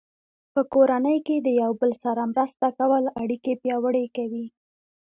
په کورنۍ کې د یو بل سره مرسته کول اړیکې پیاوړې کوي.